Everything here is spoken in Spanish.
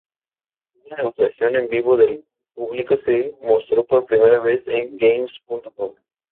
Una demostración en vivo del público se mostró por primera vez en "Games.com".